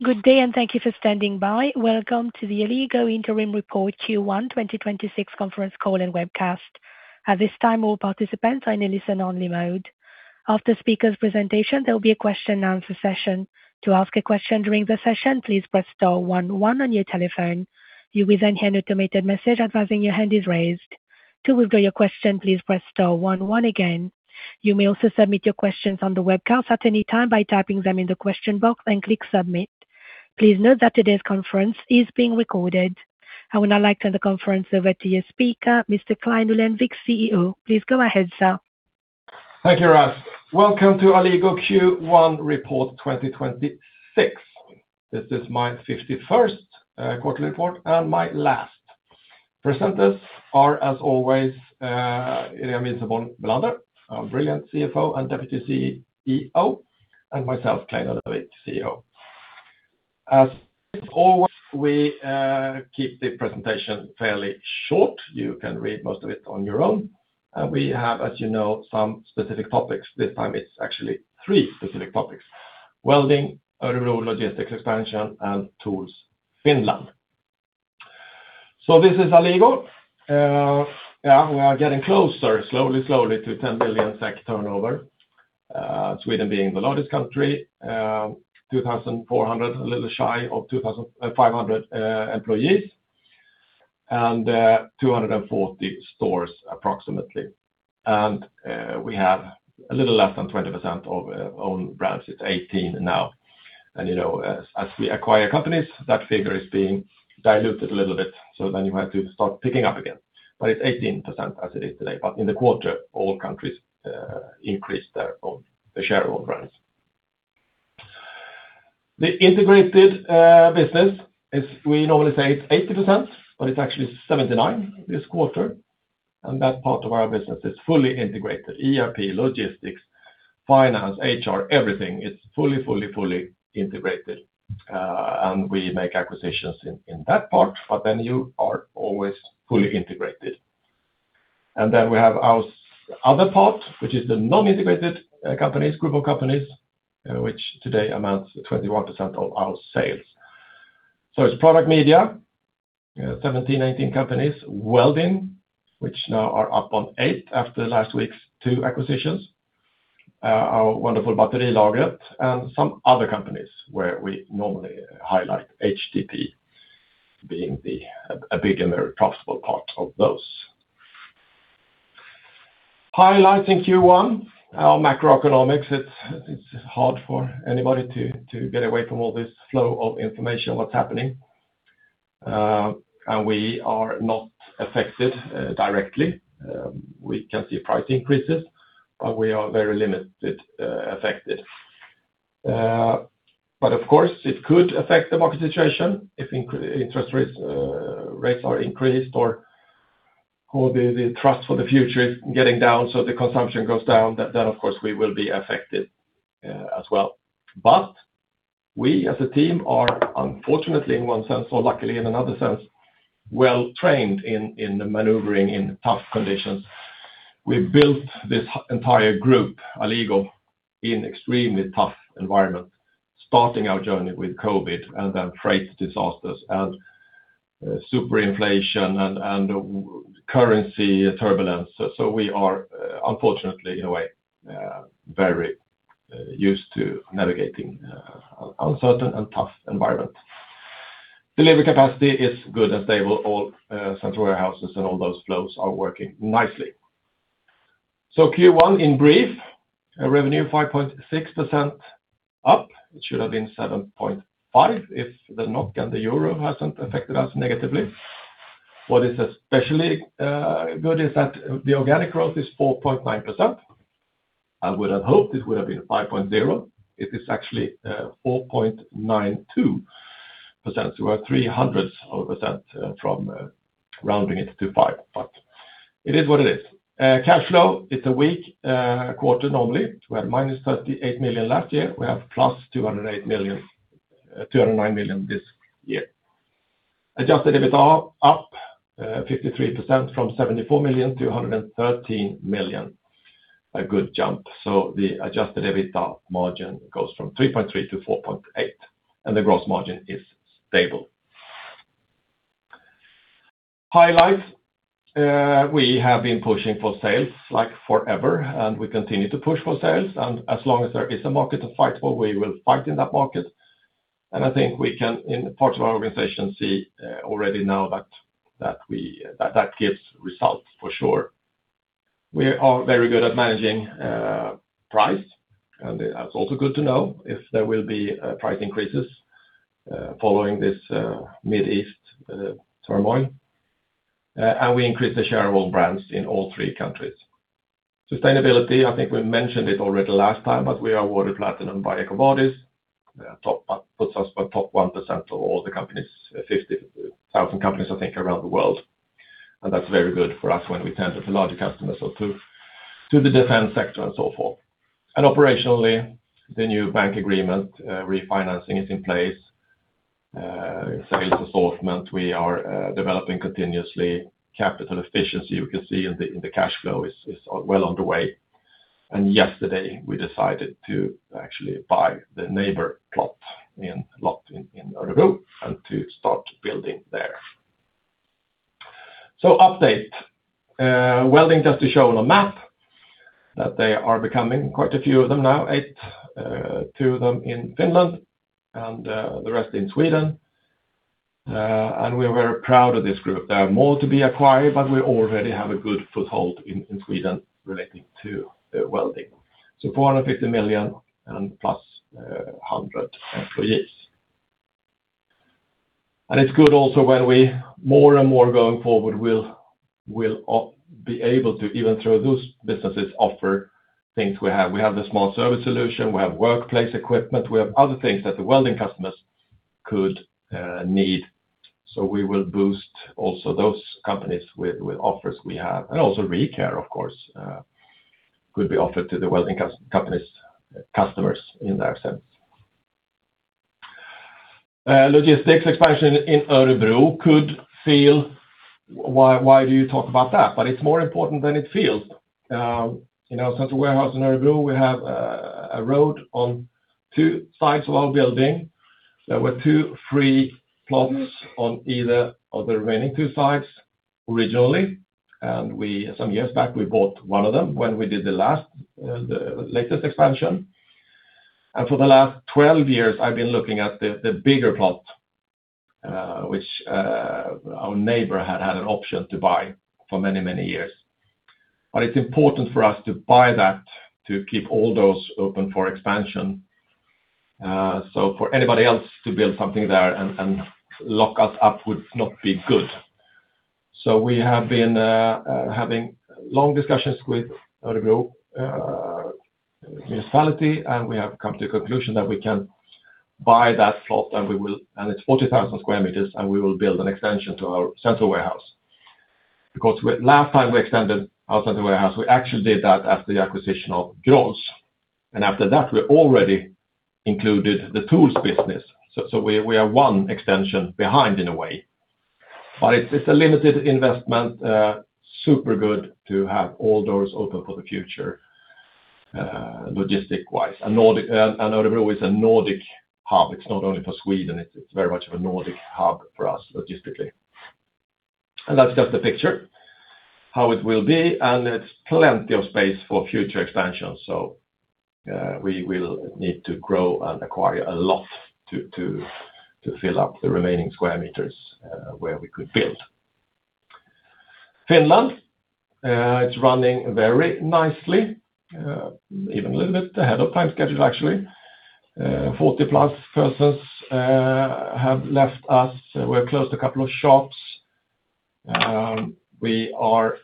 Good day and thank you for standing by. Welcome to the Alligo Interim Report Q1 2026 conference call and webcast. At this time, all participants are in a listen only mode. After speaker's presentation, there will be a question answer session. To ask a question during the session, please press star one one on your telephone. You will then hear an automated message advising your hand is raised. To withdraw your question, please press star one one again. You may also submit your questions on the webcast at any time by typing them in the question box and click Submit. Please note that today's conference is being recorded. I would now like to turn the conference over to your speaker, Mr. Clein Ullenvik, CEO. Please go ahead, sir. Thank you, Rose. Welcome to Alligo Q1 Report 2026. This is my 51st quarterly report and my last. Presenters are as always, Irene Wisenborn Bellander, our brilliant CFO and Deputy CEO, and myself, Clein Ullenvik, CEO. As always, we keep the presentation fairly short. You can read most of it on your own. We have, as you know, some specific topics. This time it's actually three specific topics, welding, overall logistics expansion, and tools Finland. This is Alligo. We are getting closer, slowly to 10 million SEK turnover. Sweden being the largest country, 2,400, a little shy of 2,500 employees and 240 stores approximately. We have a little less than 20% of owned branches, 18 now. As we acquire companies, that figure is being diluted a little bit, so then you have to start picking up again. It's 18% as it is today, but in the quarter, all countries increased their share of brands. The integrated business is, we normally say it's 80%, but it's actually 79% this quarter, and that part of our business is fully integrated. ERP, logistics, finance, HR, everything is fully integrated. We make acquisitions in that part, but then you are always fully integrated. We have our other part, which is the non-integrated group of companies, which today amounts to 21% of our sales. It's Product Media, 17, 18 companies. Welding, which now are up to 8% after last week's two acquisitions. Our wonderful Batterilagret and some other companies where we normally highlight HTP being a big and very profitable part of those. Highlighting Q1, our macroeconomics, it's hard for anybody to get away from all this flow of information that's happening. We are not affected directly. We can see price increases, but we are very limited affected. Of course, it could affect the market situation if interest rates, rates are increased or the trust for the future is getting down, so the consumption goes down, then of course we will be affected as well. We as a team are unfortunately in one sense, or luckily in another sense, well trained in the maneuvering in tough conditions. We've built this entire group, Alligo, in extremely tough environment, starting our journey with COVID and then freight disasters and super inflation and currency turbulence. We are, unfortunately in a way, very used to navigating uncertain and tough environment. Delivery capacity is good and stable. All central warehouses and all those flows are working nicely. So, Q1 in brief, revenue 5.6% up. It should have been 7.5% if the NOK and the euro hasn't affected us negatively. What is especially good is that the organic growth is 4.9%. I would have hoped it would have been 5.0%. It is actually 4.92%, so we're 0.03 of a percent from rounding it to five. But it is what it is. Cash flow, it's a weak quarter normally. We had -38 million last year. We have +209 million this year. Adjusted EBITDA up 53% from 74 million-113 million. A good jump. The adjusted EBITDA margin goes from 3.3%-4.8% and the gross margin is stable. Highlights. We have been pushing for sales like forever and we continue to push for sales and as long as there is a market to fight for, we will fight in that market. I think we can, in parts of our organization, see already now that gives results for sure. We are very good at managing price, and that's also good to know if there will be price increases following this Middle East turmoil. We increase the share of all brands in all three countries. Sustainability, I think we mentioned it already last time, but we are awarded Platinum by EcoVadis. Puts us in the top 1% of all the companies, 50,000 companies, I think, around the world. That's very good for us when we tender to larger customers or to the defense sector and so forth. Operationally, the new bank agreement refinancing is in place. Sales assortment, we are developing continuously. Capital efficiency, you can see in the cash flow, is well underway. Yesterday, we decided to actually buy the neighbor plot in Örebro and to start building there. So, update. Welding, just to show on a map that they are becoming quite a few of them now, eight. Two of them in Finland and the rest in Sweden. We are very proud of this group. There are more to be acquired, but we already have a good foothold in Sweden relating to welding. 450 million and plus 100 employees. It's good also when we more and more going forward, we'll be able to even through those businesses offer things we have. We have the small service solution, we have workplace equipment, we have other things that the welding customers could need. We will boost also those companies with offers we have. Also, ReCare, of course, could be offered to the welding company's customers in that sense. Logistics expansion in Örebro could feel why do you talk about that, but it's more important than it feels. central warehouse in Örebro, we have a road on two sides of our building. There were two free plots on either of the remaining two sites originally. Some years back, we bought one of them when we did the latest expansion. For the last 12 years, I've been looking at the bigger plot, which our neighbor had had an option to buy for many, many years. It's important for us to buy that to keep all those open for expansion. For anybody else to build something there and lock us up would not be good. We have been having long discussions with Örebro Municipality, and we have come to the conclusion that we can buy that plot, and it's 40,000 sq m, and we will build an extension to our central warehouse. Because last time we extended our central warehouse, we actually did that after the acquisition of John's. After that, we already included the tools business. We are one extension behind in a way, but it's a limited investment. Super good to have all doors open for the future logistic-wise. Örebro is a Nordic hub. It's not only for Sweden, it's very much of a Nordic hub for us logistically. That's just the picture, how it will be, and it's plenty of space for future expansion. We will need to grow and acquire a lot to fill up the remaining square meters where we could build. Finland, it's running very nicely, even a little bit ahead of time schedule, actually. 40+ persons have left us. We've closed a couple of shops. We are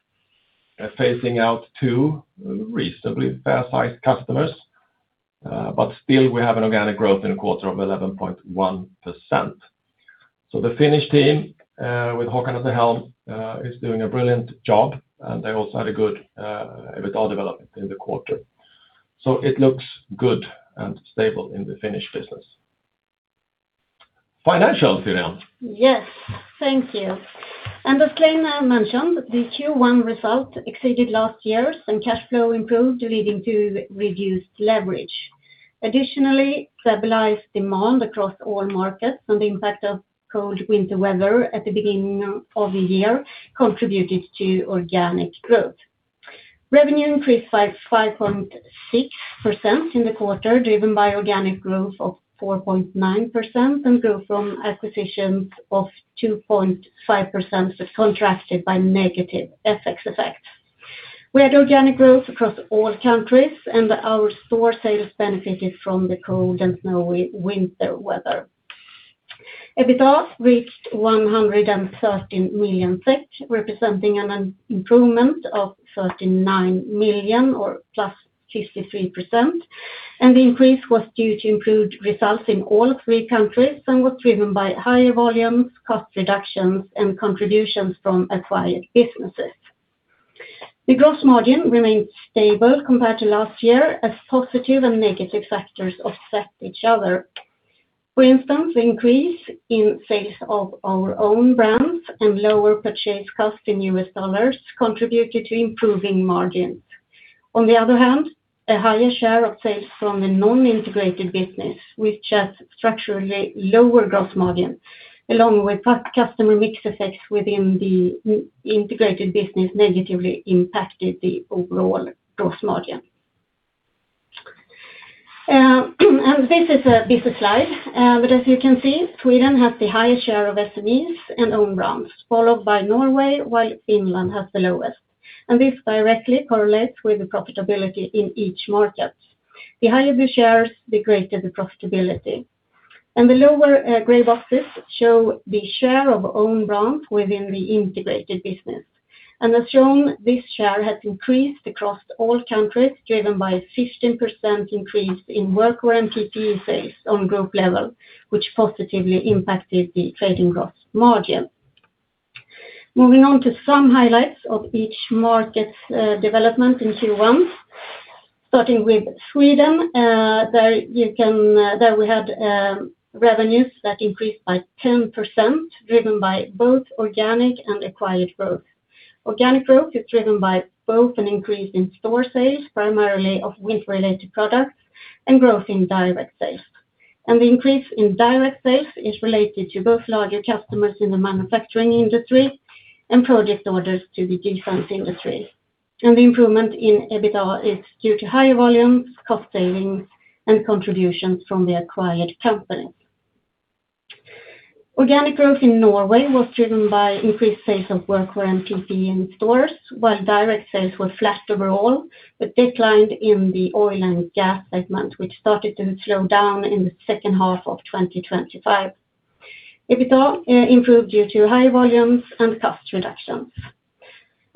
phasing out two reasonably fair-sized customers, but still we have an organic growth in a quarter of 11.1%. The Finnish team with Håkan at the helm is doing a brilliant job, and they also had a good EBITDA development in the quarter. It looks good and stable in the Finnish business. Financials, Irene. Yes. Thank you. As Clein mentioned, the Q1 results exceeded last year's and cash flow improved, leading to reduced leverage. Additionally, stabilized demand across all markets and the impact of cold winter weather at the beginning of the year contributed to organic growth. Revenue increased by 5.6% in the quarter, driven by organic growth of 4.9% and growth from acquisitions of 2.5%, contrasted by negative FX effects. We had organic growth across all countries, and our store sales benefited from the cold and snowy winter weather. EBITDA reached 113 million SEK, representing an improvement of 39 million or plus 53%, and the increase was due to improved results in all three countries and was driven by higher volumes, cost reductions, and contributions from acquired businesses. The gross margin remained stable compared to last year as positive and negative factors offset each other. For instance, the increase in sales of our own brands and lower purchase cost in U.S. dollars contributed to improving margins. On the other hand, a higher share of sales from the non-integrated business, which has structurally lower gross margin, along with customer mix effects within the integrated business negatively impacted the overall gross margin. This is a busy slide. As you can see, Sweden has the highest share of SMEs and own brands, followed by Norway, while Finland has the lowest. This directly correlates with the profitability in each market. The higher the shares, the greater the profitability. The lower gray boxes show the share of own brands within the integrated business. As shown, this share has increased across all countries, driven by a 15% increase in workwear and PPE sales on group level, which positively impacted the trading gross margin. Moving on to some highlights of each market's development in Q1. Starting with Sweden, there we had revenues that increased by 10%, driven by both organic and acquired growth. Organic growth is driven by both an increase in store sales, primarily of winter-related products, and growth in direct sales. The increase in direct sales is related to both larger customers in the manufacturing industry and project orders to the defense industry. The improvement in EBITDA is due to higher volumes, cost savings, and contributions from the acquired company. Organic growth in Norway was driven by increased sales of workwear and PPE in stores, while direct sales were flat overall, but declined in the oil and gas segment, which started to slow down in the second half of 2025. EBITDA improved due to high volumes and cost reductions.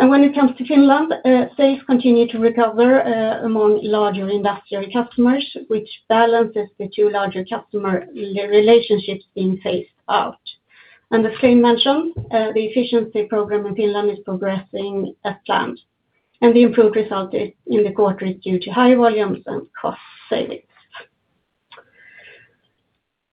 When it comes to Finland, sales continue to recover among larger industrial customers, which balances the two larger customer relationships being phased out. As Clein mentioned, the efficiency program in Finland is progressing as planned, and the improved result in the quarter is due to high volumes and cost savings.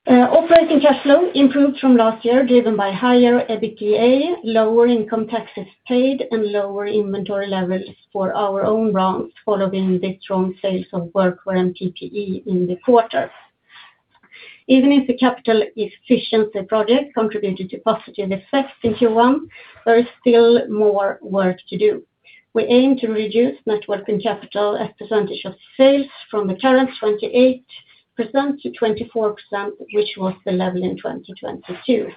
Operating cash flow improved from last year, driven by higher EBITDA, lower income taxes paid, and lower inventory levels for our own brands following the strong sales of workwear and PPE in the quarter. Even if the capital efficiency project contributed to positive effects in Q1, there is still more work to do. We aim to reduce net working capital as a percentage of sales from the current 28%-24%, which was the level in 2022.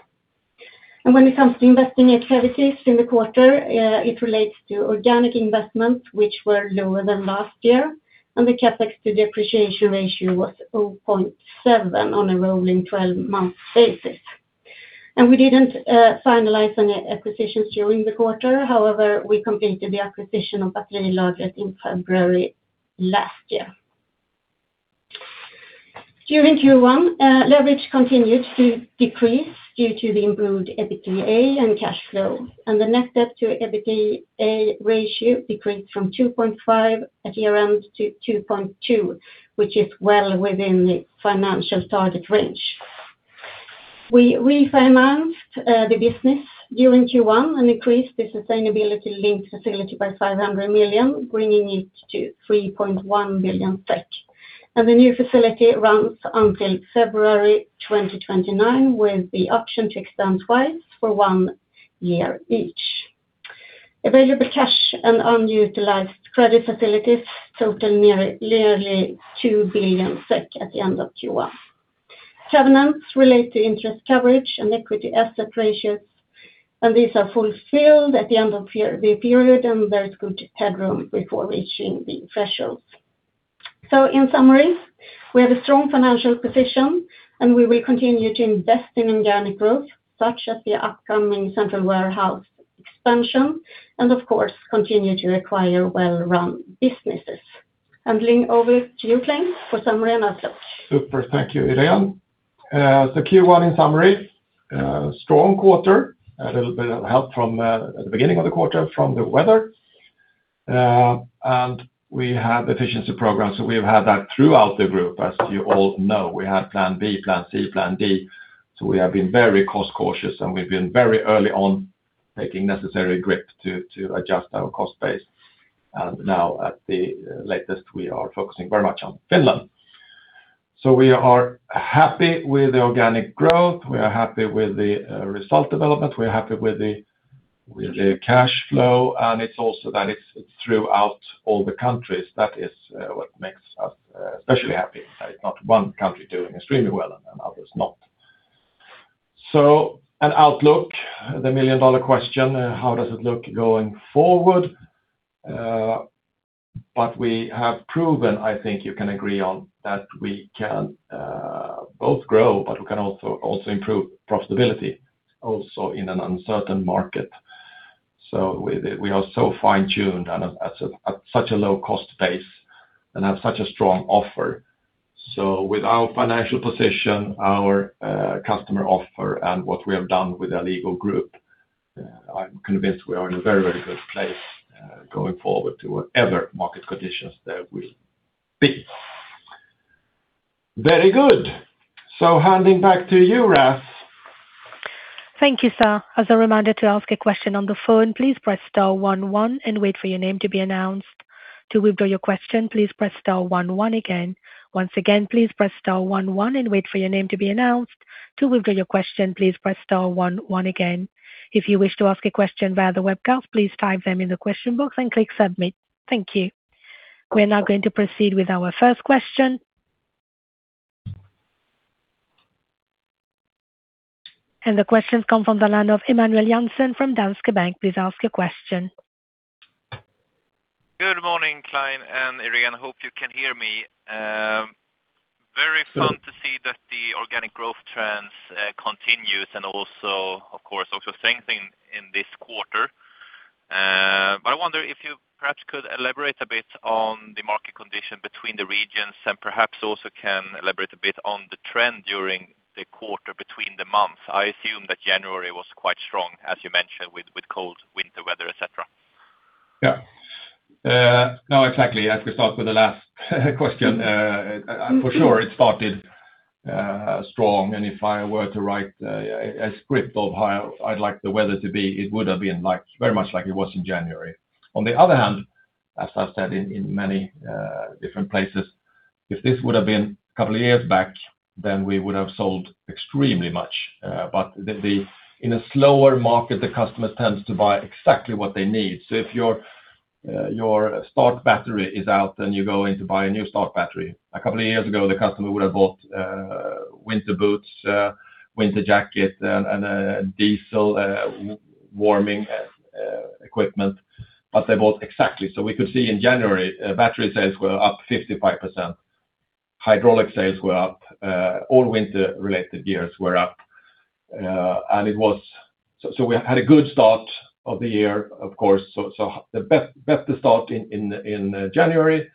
When it comes to investing activities in the quarter, it relates to organic investments, which were lower than last year, and the CapEx to depreciation ratio was 0.7% on a rolling 12-month basis. We didn't finalize any acquisitions during the quarter. However, we completed the acquisition of Attlee Louge in February last year. During Q1, leverage continued to decrease due to the improved EBITDA and cash flow, and the net debt to EBITDA ratio decreased from 2.5% at year-end to 2.2%, which is well within the financial target range. We refinanced the business during Q1 and increased the sustainability-linked facility by 500 million, bringing it to 3.1 billion. The new facility runs until February 2029 with the option to extend twice for one year each. Available cash and unutilized credit facilities total nearly 2 billion at the end of Q1. Covenants relate to interest coverage and equity asset ratios, and these are fulfilled at the end of the period, and there is good headroom before reaching the thresholds. In summary, we have a strong financial position, and we will continue to invest in organic growth such as the upcoming central warehouse expansion and of course, continue to acquire well-run businesses. Handing over to you, Clein, for summary and outlook. Super. Thank you, Irene. Q1 in summary, strong quarter, a little bit of help at the beginning of the quarter from the weather. We have efficiency programs, so we've had that throughout the group as you all know. We had plan B, plan C, plan D, so we have been very cost cautious, and we've been very early on taking necessary grip to adjust our cost base. Now at the latest, we are focusing very much on Finland. We are happy with the organic growth. We are happy with the result development. We are happy with the cash flow, and it's also that it's throughout all the countries. That is what makes us especially happy. It's not one country doing extremely well and others not. An outlook, the million-dollar question, how does it look going forward? We have proven, I think you can agree on, that we can both grow, but we can also improve profitability also in an uncertain market. We are so fine-tuned and at such a low cost base and have such a strong offer. With our financial position, our customer offer, and what we have done with our legal group, I'm convinced we are in a very good place going forward to whatever market conditions there will be. Very good. Handing back to you, Raff. Thank you, sir. Thank you. We're now going to proceed with our first question. The question comes from the line of Emanuel Jansson from Danske Bank. Please ask your question. Good morning, Clein and Irene. Hope you can hear me. Very fun to see that the organic growth trends continues and also of course also strengthening in this quarter. I wonder if you perhaps could elaborate a bit on the market condition between the regions and perhaps also can elaborate a bit on the trend during the quarter between the months. I assume that January was quite strong, as you mentioned, with cold winter weather, et cetera. Yeah. No, exactly. As we start with the last question, for sure it started strong. If I were to write a script of how I'd like the weather to be, it would have been very much like it was in January. On the other hand. As I've said in many different places, if this would've been a couple of years back, then we would have sold extremely much. In a slower market, the customer tends to buy exactly what they need. If your start battery is out and you're going to buy a new start battery, a couple of years ago, the customer would've bought winter boots, winter jacket, and a diesel warming equipment, but they bought exactly. We could see in January, battery sales were up 55%, hydraulic sales were up, all winter-related gears were up. We had a good start of the year, of course. The best start in January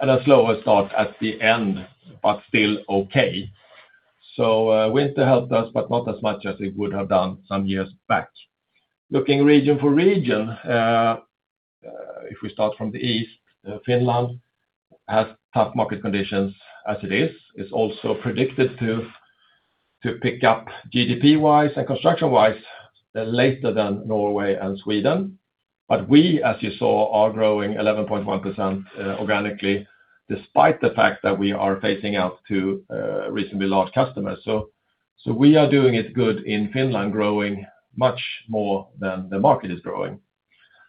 and a slower start at the end, but still okay. Winter helped us, but not as much as it would have done some years back. Looking region for region, if we start from the east, Finland has tough market conditions as it is. It's also predicted to pick up GDP-wise and construction-wise later than Norway and Sweden. We, as you saw, are growing 11.1% organically despite the fact that we are phasing out two recently large customers. We are doing it good in Finland, growing much more than the market is growing.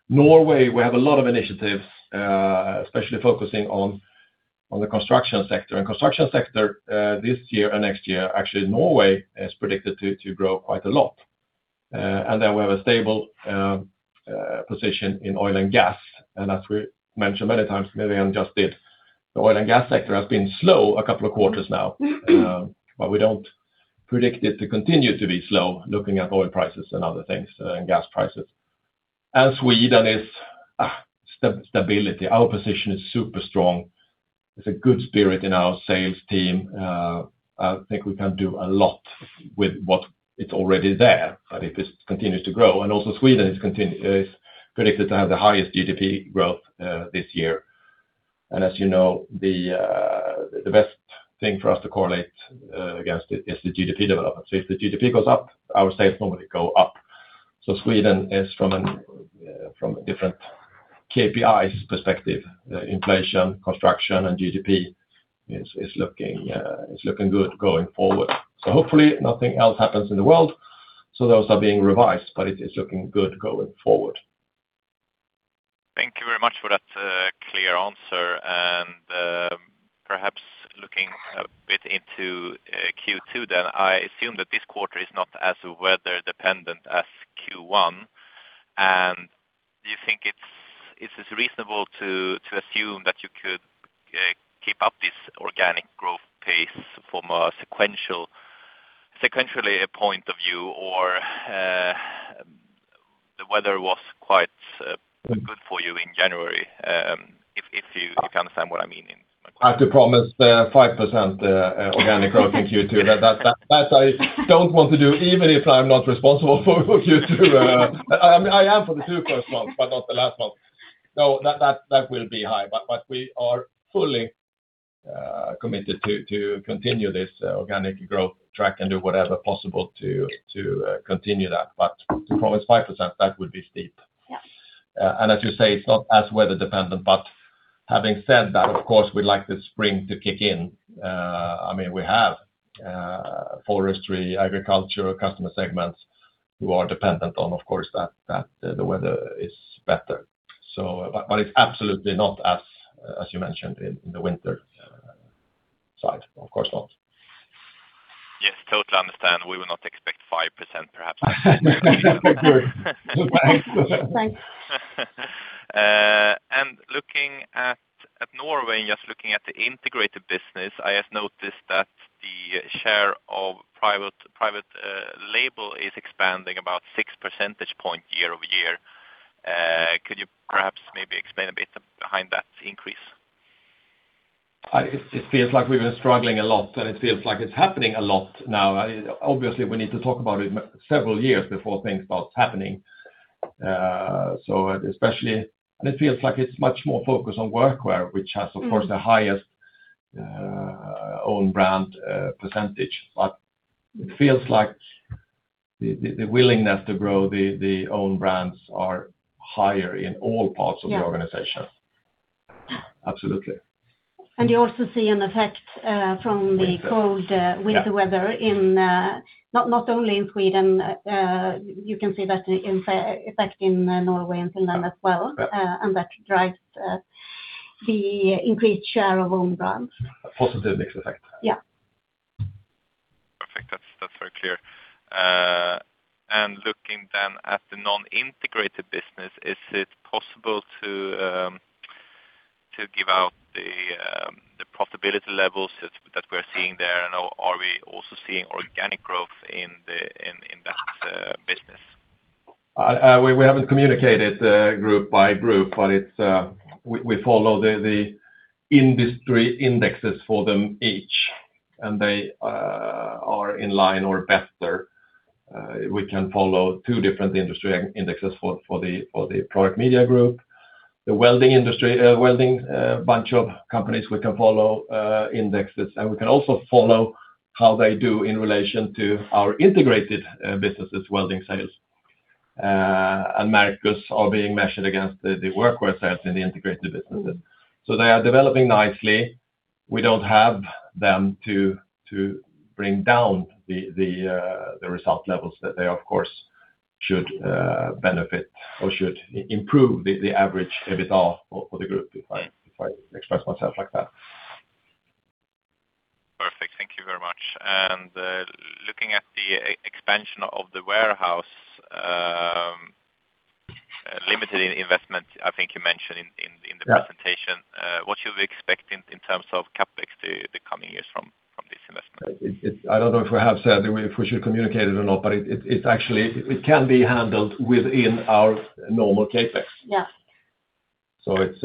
Norway, we have a lot of initiatives, especially focusing on the construction sector. Construction sector, this year and next year, actually, Norway is predicted to grow quite a lot. We have a stable position in oil and gas. As we mentioned many times, Marianne just did, the oil and gas sector has been slow a couple of quarters now, but we don't predict it to continue to be slow looking at oil prices and other things, and gas prices. Sweden is stable. Our position is super strong. There's a good spirit in our sales team. I think we can do a lot with what is already there, and it just continues to grow. Also, Sweden is predicted to have the highest GDP growth this year. As you know, the best thing for us to correlate against it is the GDP development. If the GDP goes up, our sales normally go up. Sweden is from a different KPI perspective, inflation, construction, and GDP is looking good going forward. Hopefully nothing else happens in the world. Those are being revised, but it is looking good going forward. Thank you very much for that clear answer. Perhaps looking a bit into Q2 then, I assume that this quarter is not as weather dependent as Q1. Do you think it's reasonable to assume that you could keep up this organic growth pace from a sequential point of view or the weather was quite good for you in January? If you understand what I mean in- I have to promise 5% organic growth in Q2. That I don't want to do, even if I'm not responsible for Q2. I am for the two first months, but not the last month. No, that will be high. We are fully committed to continue this organic growth track and do whatever possible to continue that. To promise 5%, that would be steep. Yeah. As you say, it's not as weather dependent, but having said that, of course, we'd like the spring to kick in. We have forestry, agriculture customer segments who are dependent on, of course, that the weather is better. It's absolutely not as you mentioned in the winter side, of course not. Yes, totally understand. We will not expect 5%, perhaps. Good. Looking at Norway and just looking at the integrated business, I have noticed that the share of private label is expanding about 6 percentage points year-over-year. Could you perhaps maybe explain a bit behind that increase? It feels like we've been struggling a lot, and it feels like it's happening a lot now. Obviously, we need to talk about it several years before things start happening. It feels like it's much more focused on workwear, which has, of course, the highest own brand percentage. It feels like the willingness to grow the own brands are higher in all parts of the organization. Absolutely. You also see an effect from the. Winter Cold winter weather not only in Sweden, you can see that effect in Norway and Finland as well, and that drives the increased share of own brands. A positive mixed effect. Yeah. Perfect. That's very clear. Looking then at the non-integrated business, is it possible to give out the profitability levels that we're seeing there, and are we also seeing organic growth in that business? We haven't communicated group by group, but we follow the industry indexes for them each, and they are in line or better. We can follow two different industry indexes for the Product Media group. The welding bunch of companies, we can follow indexes, and we can also follow how they do in relation to our integrated businesses welding sales. Americas are being measured against the workwear sales in the integrated businesses. They are developing nicely. We don't have them to bring down the result levels that they, of course, should benefit or should improve the average EBITDA for the group, if I express myself like that. Perfect. Thank you very much. Looking at the expansion of the warehouse limited investment, I think you mentioned in the presentation. Yeah. What should we expect in terms of CapEx the coming years from this investment? I don't know if we have said if we should communicate it or not, but it can be handled within our normal CapEx. Yeah. So it's-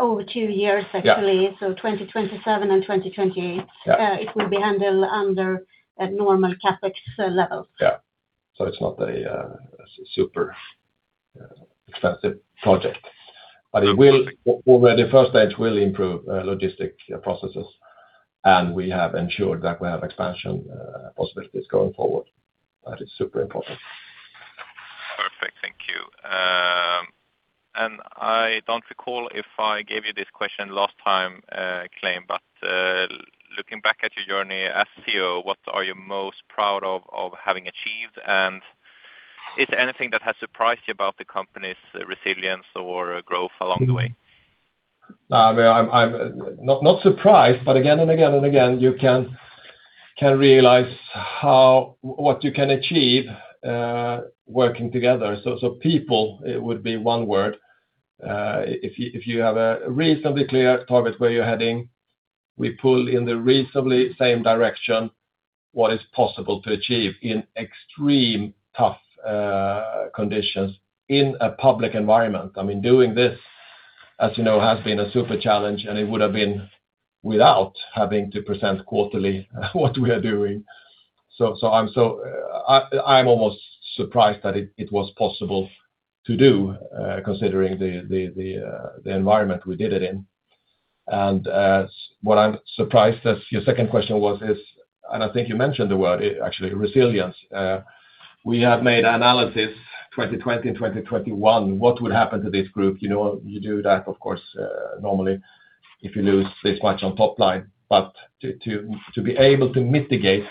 Over two years, actually. Yeah. 2027 and 2028. Yeah. It will be handled under a normal CapEx level. Yeah. It's not a super expensive project. Already first stage will improve logistics processes, and we have ensured that we have expansion possibilities going forward. That is super important. Perfect. Thank you. I don't recall if I gave you this question last time, Clein, but looking back at your journey as CEO, what are you most proud of having achieved? Is there anything that has surprised you about the company's resilience or growth along the way? Not surprised, but again and again and again, you can realize what you can achieve working together. People, it would be one word. If you have a reasonably clear target where you're heading, we pull in the reasonably same direction, what is possible to achieve in extreme tough conditions in a public environment. Doing this, as you know, has been a super challenge, and it would have been without having to present quarterly what we are doing. I'm almost surprised that it was possible to do considering the environment we did it in. What I'm surprised as your second question was is, and I think you mentioned the word actually, resilience. We have made analysis 2020, 2021, what would happen to this group. You do that, of course, normally if you lose this much on top line. To be able to mitigate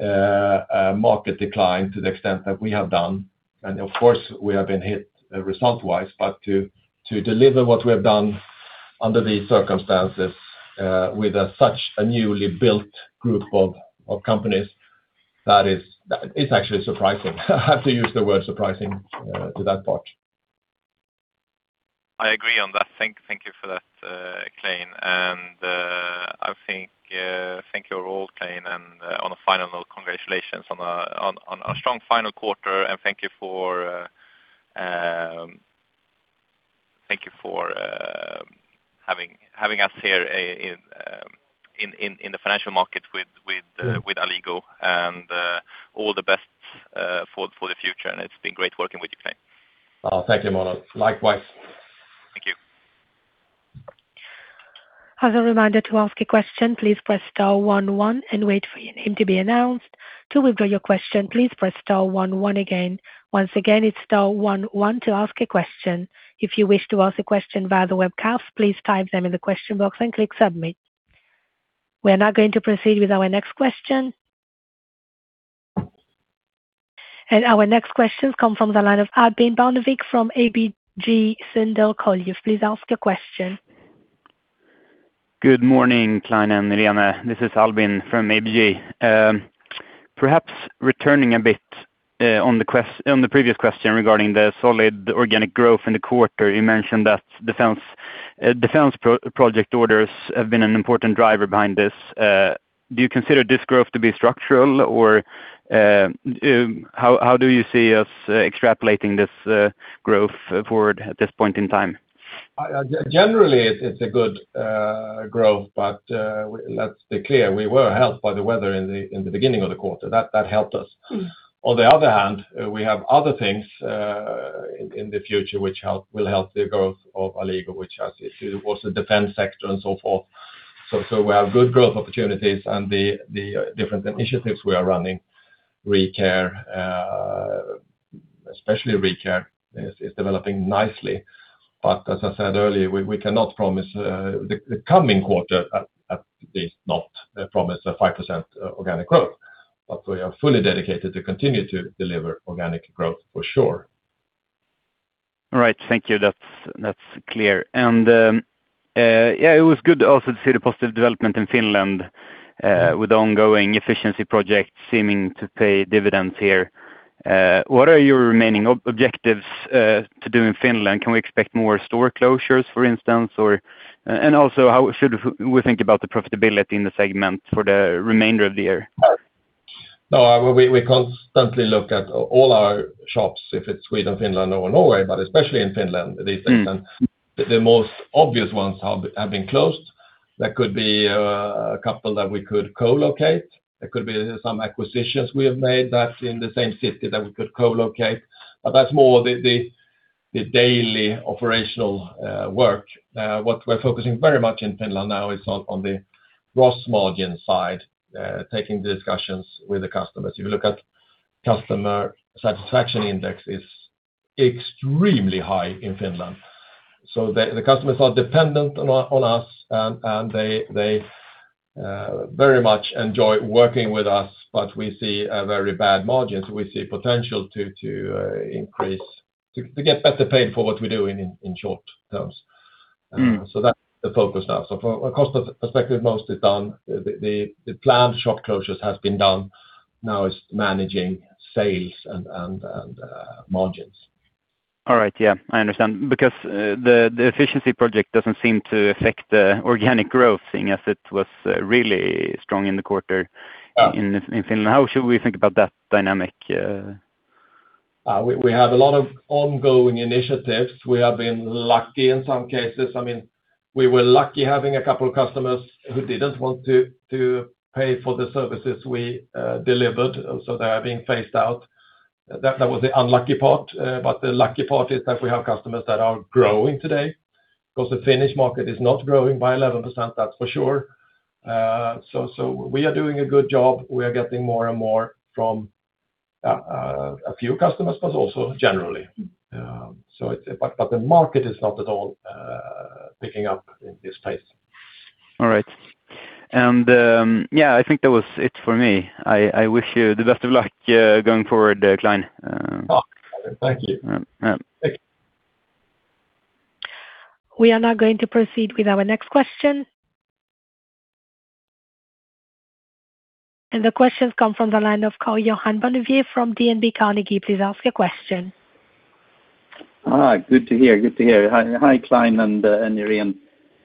a market decline to the extent that we have done, and of course, we have been hit result-wise, but to deliver what we have done under these circumstances with such a newly built group of companies, that is actually surprising. I have to use the word surprising to that part. I agree on that. Thank you for that, Clein. Thank you overall, Clein. On a final note, congratulations on a strong final quarter, and thank you for having us here in the financial market with Alligo. All the best for the future, and it's been great working with you, Clein. Oh, thank you, Emanuel. Likewise. Thank you. We're now going to proceed with our next question. Our next question comes from the line of Albin Barnevik from ABG Sundal Collier. Please ask your question. Good morning, Clein and Irene. This is Albin from ABG. Perhaps returning a bit on the previous question regarding the solid organic growth in the quarter. You mentioned that defense project orders have been an important driver behind this. Do you consider this growth to be structural or how do you see us extrapolating this growth forward at this point in time? Generally, it's a good growth, but let's be clear, we were helped by the weather in the beginning of the quarter. That helped us. On the other hand, we have other things in the future which will help the growth of Alligo, which has to do with the defense sector and so forth. We have good growth opportunities and the different initiatives we are running, ReCare, especially ReCare, is developing nicely. As I said earlier, we cannot promise the coming quarter, at least not promise a 5% organic growth. We are fully dedicated to continue to deliver organic growth for sure. All right. Thank you. That's clear. Yeah, it was good also to see the positive development in Finland with the ongoing efficiency project seeming to pay dividends here. What are your remaining objectives to do in Finland? Can we expect more store closures, for instance? Also how should we think about the profitability in the segment for the remainder of the year? No, we constantly look at all our shops, if it's Sweden, Finland, or Norway, but especially in Finland, the segment. The most obvious ones have been closed. There could be a couple that we could co-locate. There could be some acquisitions we have made that's in the same city that we could co-locate. But that's more the daily operational work. What we're focusing very much in Finland now is on the gross margin side, taking discussions with the customers. If you look at customer satisfaction index is extremely high in Finland, so the customers are dependent on us and they very much enjoy working with us. But we see very bad margins. We see potential to get better paid for what we do in short terms. That's the focus now. From a cost perspective, most is done. The planned shop closures has been done. Now it's managing sales and margins. All right. Yeah, I understand. Because the efficiency project doesn't seem to affect the organic growth thing as it was really strong in the quarter in Finland. How should we think about that dynamic? We have a lot of ongoing initiatives. We have been lucky in some cases. We were lucky having a couple of customers who didn't want to pay for the services we delivered, so they are being phased out. That was the unlucky part. The lucky part is that we have customers that are growing today because the Finnish market is not growing by 11%, that's for sure. We are doing a good job. We are getting more and more from a few customers, but also generally. The market is not at all picking up in this pace. All right. Yeah, I think that was it for me. I wish you the best of luck going forward, Clein. Oh, thank you. Yeah. Thank you. We are now going to proceed with our next question. The question's come from the line of Karl-Johan Bonnevier from DNB Carnegie. Please ask your question. Hi. Good to hear. Hi, Clein and Irene,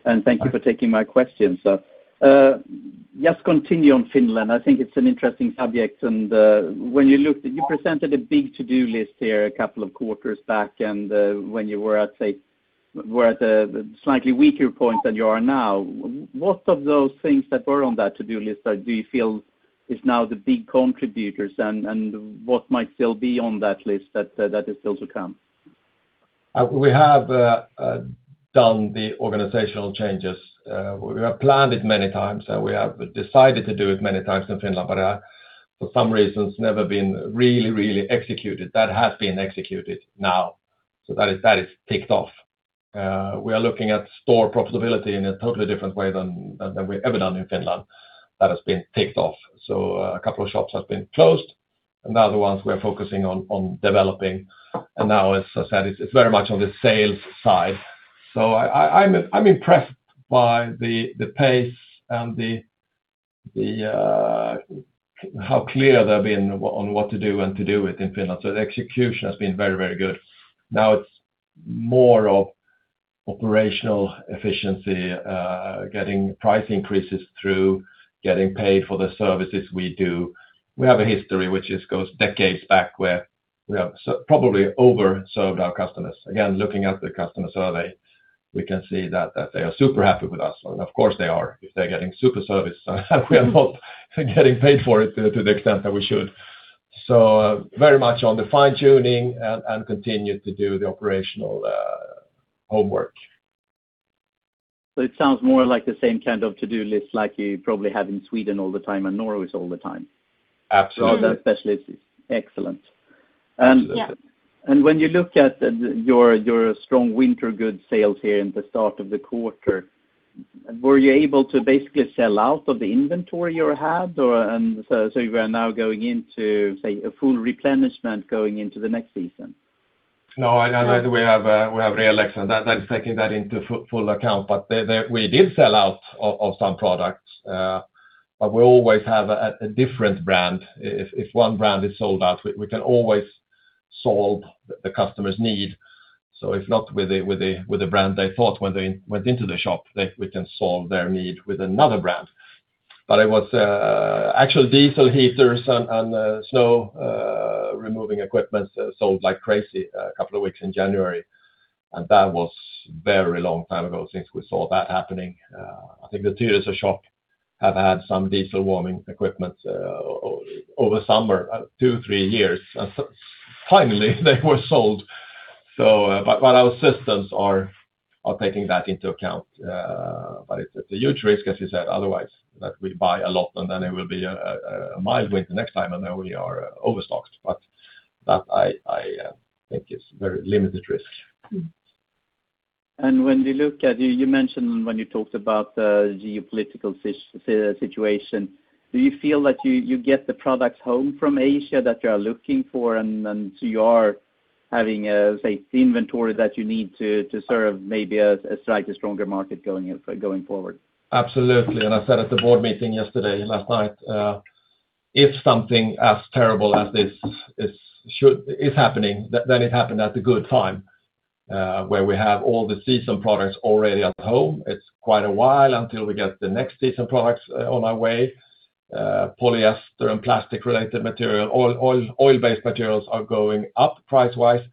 and thank you for taking my question, sir. Just continue on Finland. I think it's an interesting subject. When you looked, you presented a big to-do list here a couple of quarters back, and when you were at a slightly weaker point than you are now, what of those things that were on that to-do list do you feel is now the big contributors and what might still be on that list that is still to come? We have done the organizational changes. We have planned it many times. We have decided to do it many times in Finland, but for some reasons, never been really, really executed. That has been executed now. That is ticked off. We are looking at store profitability in a totally different way than we've ever done in Finland. That has been ticked off. A couple of shops have been closed, and the other ones we are focusing on developing. Now, as I said, it's very much on the sales side. I'm impressed by the pace and how clear they've been on what to do and to do it in Finland. The execution has been very, very good. Now it's more of operational efficiency, getting price increases through, getting paid for the services we do. We have a history which just goes decades back where we have probably over-served our customers. Again, looking at the customer survey, we can see that they are super happy with us. Of course they are. They're getting super service and we are not getting paid for it to the extent that we should. Very much on the fine-tuning and continue to do the operational homework. It sounds more like the same kind of to-do list like you probably have in Sweden all the time and Norway all the time. Absolutely. Well, that specialist is excellent. When you look at your strong winter goods sales here in the start of the quarter, were you able to basically sell out of the inventory you had? You are now going into, say, a full replenishment going into the next season? No, we have replenishment. That is taking that into full account. We did sell out of some products. We always have a different brand. If one brand is sold out, we can always solve the customer's need. If not with the brand they thought when they went into the shop, we can solve their need with another brand. It was actually diesel heaters and snow-removing equipment sold like crazy a couple of weeks in January. That was a very long time ago since we saw that happening. I think the Tyresö shop have had some diesel heating equipment over summer, two, three years. Finally, they were sold. Our systems are taking that into account. It's a huge risk, as you said, otherwise, that we buy a lot and then it will be a mild winter next time and then we are overstocked. That, I think, is very limited risk. When we look at, you mentioned when you talked about the geopolitical situation, do you feel that you get the products home from Asia that you are looking for and so you are having, say, inventory that you need to serve maybe a slightly stronger market going forward? Absolutely. I said at the board meeting yesterday, last night, if something as terrible as this is happening, then it happened at a good time, where we have all the seasonal products already at home. It's quite a while until we get the next seasonal products on our way. Polyester and plastic-related material, oil-based materials are going up pricewise.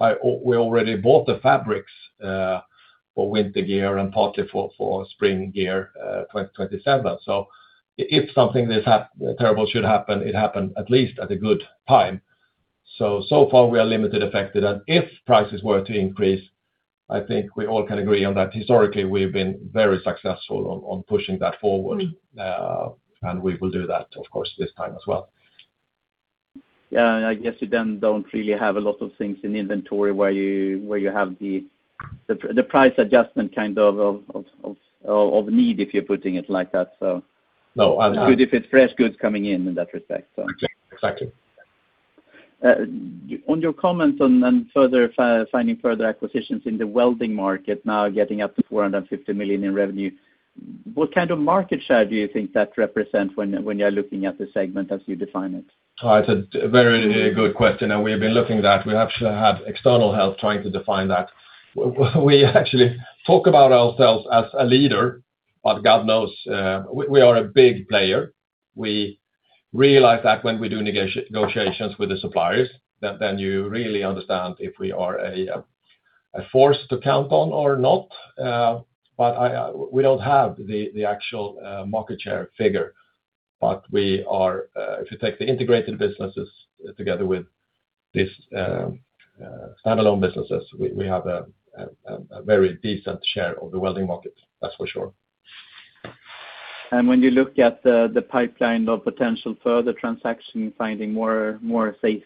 We already bought the fabrics for winter gear and partly for spring gear 2027. If something this terrible should happen, it happened at least at a good time. So far we are little affected. If prices were to increase, I think we all can agree on that historically, we've been very successful on pushing that forward. We will do that, of course, this time as well. Yeah. I guess you then don't really have a lot of things in the inventory where you have the price adjustment kind of need, if you're putting it like that. No. It's good if it's fresh goods coming in that respect. Exactly. On your comments on then finding further acquisitions in the welding market now getting up to 450 million in revenue, what kind of market share do you think that represents when you're looking at the segment as you define it? It's a very good question, and we've been looking at that. We actually have external help trying to define that. We actually talk about ourselves as a leader, but God knows we are a big player. We realize that when we do negotiations with the suppliers, then you really understand if we are a force to count on or not. We don't have the actual market share figure. If you take the integrated businesses together with these standalone businesses, we have a very decent share of the welding market, that's for sure. When you look at the pipeline of potential further transaction, finding more safe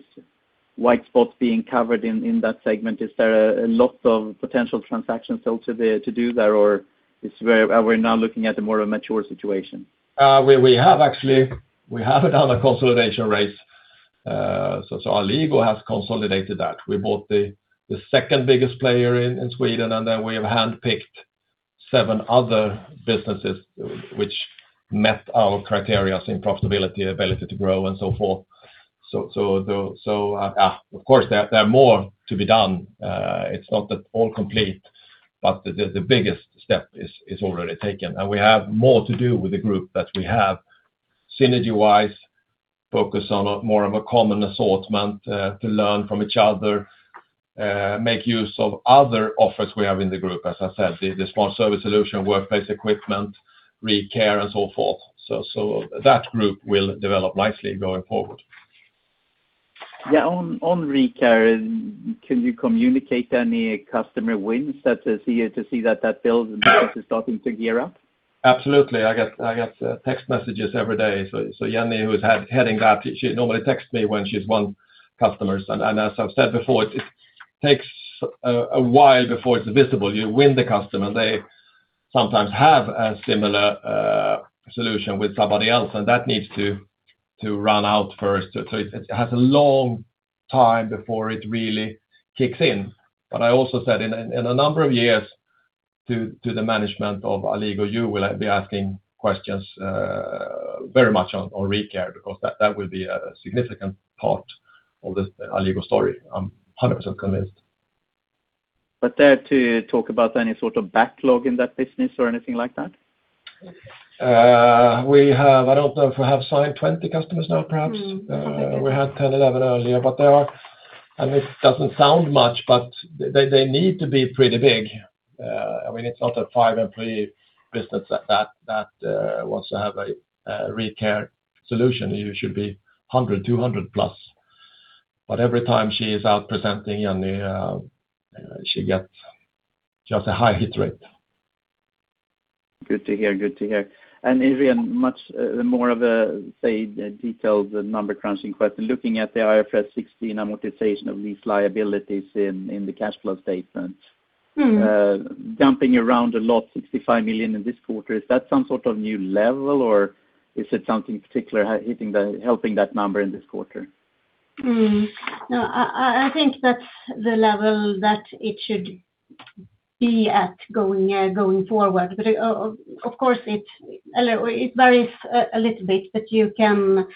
white spots being covered in that segment, is there a lot of potential transactions still to do there, or we're now looking at a more mature situation? We have another consolidation race. Alligo has consolidated that. We bought the second biggest player in Sweden, and then we have handpicked seven other businesses which met our criterias in profitability, ability to grow, and so forth. Of course, there are more to be done. It's not that all complete, but the biggest step is already taken. We have more to do with the group that we have, synergy-wise, focus on more of a common assortment to learn from each other, make use of other offers we have in the group, as I said, the smart service solution, workplace equipment, ReCare, and so forth. That group will develop nicely going forward. Yeah. On ReCare, can you communicate any customer wins to see that builds and business is starting to gear up? Absolutely. I get text messages every day. Jenny, who's heading that, she normally texts me when she's won customers. As I've said before, it takes a while before it's visible. You win the customer. They sometimes have a similar solution with somebody else, and that needs to run out first. It has a long time before it really kicks in. I also said, in a number of years, to the management of Alligo, you will be asking questions very much on ReCare, because that will be a significant part of the Alligo story. I'm 100% convinced. Dare to talk about any sort of backlog in that business or anything like that? I don't know if we have signed 20 customers now, perhaps? We had 10, 11 earlier. It doesn't sound much, but they need to be pretty big. It's not a five-employee business that wants to have a ReCare solution. You should be 100, 200 plus. Every time she is out presenting, Jenny, she gets just a high hit rate. Good to hear. Irene, much more of a say, detailed number-crunching question. Looking at the IFRS 16 amortization of these liabilities in the cash flow statement. Jumping around a lot, 65 million in this quarter. Is that some sort of new level, or is it something particular helping that number in this quarter? Mm.mm. No, I think that's the level that it should be at going forward. Of course, it varies a little bit, but you can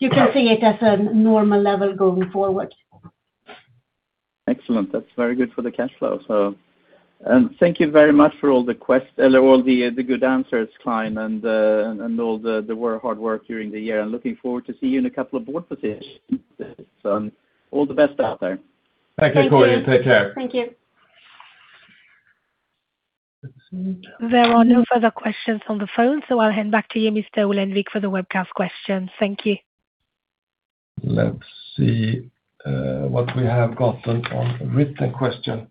see it as a normal level going forward. Excellent. That's very good for the cash flow. Thank you very much for all the good answers, Clein, and all the hard work during the year. I'm looking forward to see you in a couple of board positions. All the best out there. Thank you. Thank you. Take care. Thank you. There are no further questions on the phone, so I'll hand back to you, Mr. Ullenvik, for the webcast questions. Thank you. Let's see what we have gotten on written question.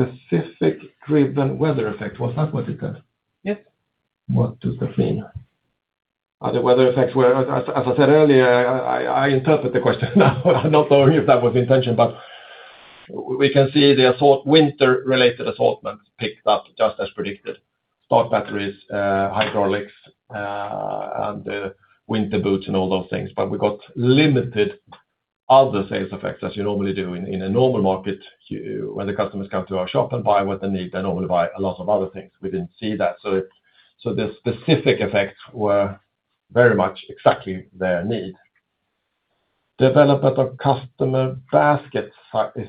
Specific driven weather effect. Was that what it was? What does that mean? The weather effects were, as I said earlier, I interpret the question now, not knowing if that was the intention, but we can see the winter-related assortment picked up just as predicted. Starter batteries, hydraulics, and winter boots and all those things. We got limited other sales effects, as you normally do in a normal market, when the customers come to our shop and buy what they need, they normally buy a lot of other things. We didn't see that. The specific effects were very much exactly their need. Development of customer basket size.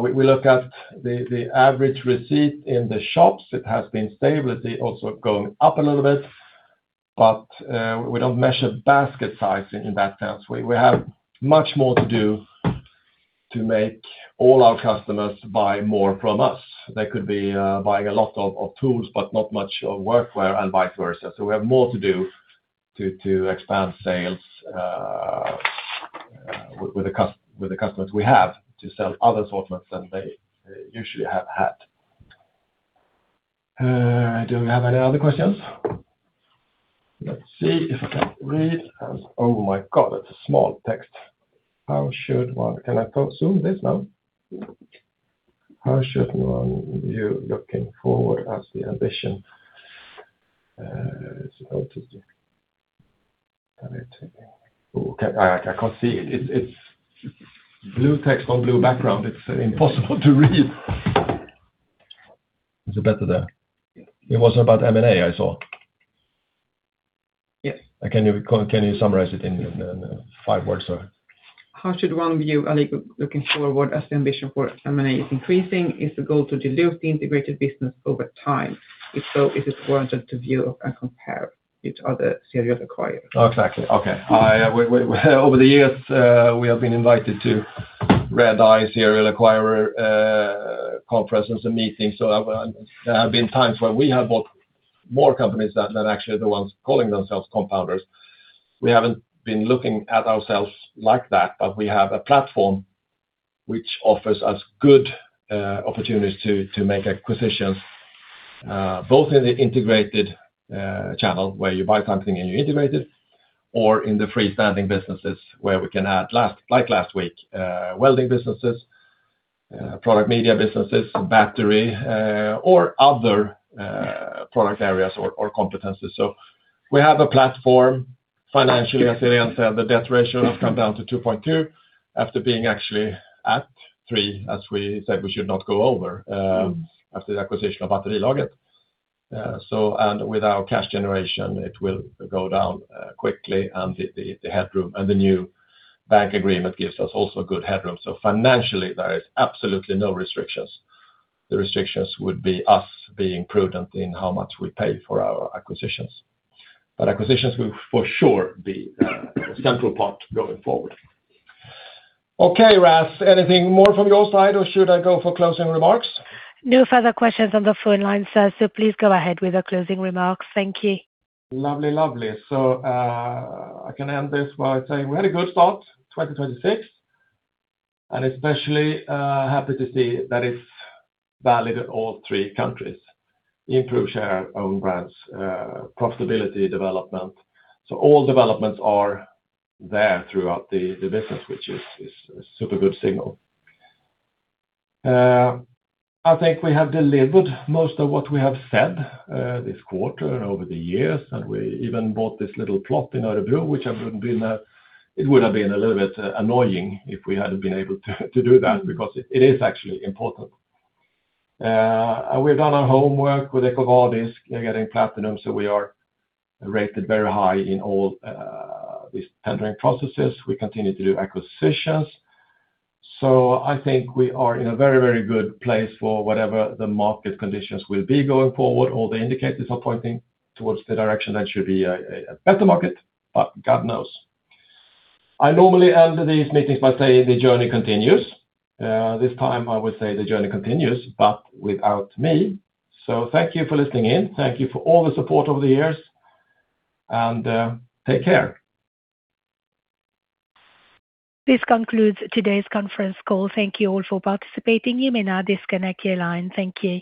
We look at the average receipt in the shops. It has been stable. It is also going up a little bit, but we don't measure basket size in that sense. We have much more to do to make all our customers buy more from us. They could be buying a lot of tools but not much of workwear and vice versa. We have more to do to expand sales with the customers we have to sell other assortments than they usually have had. Do we have any other questions? Let's see if I can read. Oh, my God, that's a small text. Can I zoom this now? How should one view looking forward as the ambition. I can't see it. It's blue text on blue background. It's impossible to read. Is it better there? It was about M&A, I saw. Yes. Can you summarize it in five words or? How should one view Alligo looking forward as the ambition for M&A increasing? Is the goal to dilute the integrated business over time? If so, is it warranted to view and compare each other's serial acquirers? Exactly. Okay. Over the years, we have been invited to red-eye serial acquirer conferences and meetings. There have been times where we have bought more companies than actually the ones calling themselves compounders. We haven't been looking at ourselves like that, but we have a platform which offers us good opportunities to make acquisitions, both in the integrated channel where you buy something and you integrate it, or in the freestanding businesses where we can add, like last week welding businesses, product media businesses, battery, or other product areas or competencies. We have a platform, financially resilient. The debt ratio has come down to 2.2% after being actually at 3%, as we said we should not go over, after the acquisition of Batterilager. With our cash generation, it will go down quickly and the headroom and the new bank agreement gives us also good headroom. Financially, there is absolutely no restrictions. The restrictions would be us being prudent in how much we pay for our acquisitions. Acquisitions will for sure be a central part going forward. Okay, Ras, anything more from your side, or should I go for closing remarks? No further questions on the phone line, sir, so please go ahead with the closing remarks. Thank you. Lovely. I can end this by saying we had a good start, 2026, and especially happy to see that it's valid in all three countries. Improved share, own brands, profitability, development. All developments are there throughout the business, which is a super good signal. I think we have delivered most of what we have said this quarter and over the years, and we even bought this little plot in Örebro, which it would have been a little bit annoying if we hadn't been able to do that because it is actually important. We've done our homework with EcoVadis, getting Platinum, so we are rated very high in all these tendering processes. We continue to do acquisitions. I think we are in a very good place for whatever the market conditions will be going forward. All the indicators are pointing toward the direction that should be a better market, but God knows. I normally end these meetings by saying the journey continues. This time I would say the journey continues, but without me. Thank you for listening in. Thank you for all the support over the years and take care. This concludes today's conference call. Thank you all for participating. You may now disconnect your line. Thank you.